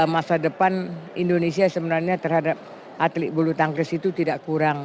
masa depan indonesia sebenarnya terhadap atlet bulu tangkis itu tidak kurang